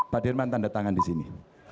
pak dirman tanda tangan disini